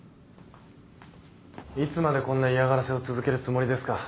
いつまでこんな嫌がらせを続けるつもりですか？